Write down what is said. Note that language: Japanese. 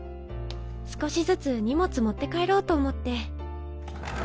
少しずつ荷物持って帰ろうと思って。